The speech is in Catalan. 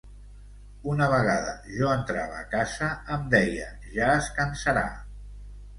Una vegada jo entrava a casa em deia ja es cansarà.